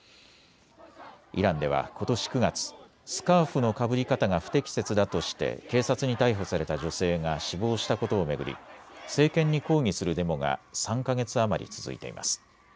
イランではことし９月、スカーフのかぶり方が不適切だとして警察に逮捕された女性が死亡したことを巡り政権に抗議するデモが３か月余り続いています。